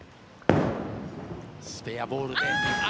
スペアボールであ。